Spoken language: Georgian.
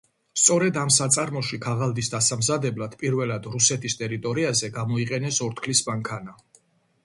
სწორედ ამ საწარმოში ქაღალდის დასამზადებლად პირველად რუსეთის ტერიტორიაზე გამოიყენეს ორთქლის მანქანა.